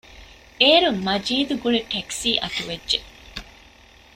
އޭރު މަޖީދު ގުޅި ޓެކްސީ އަތުވެއްޖެ